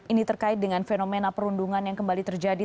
ini terkait dengan fenomena perundungan yang kembali terjadi